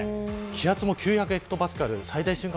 気圧も９００ヘクトパスカル最大瞬間